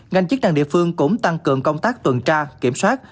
ngành chức năng địa phương cũng tăng cường công tác tuần tra kiểm soát